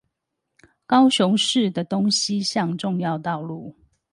高雄市的東西向重要道路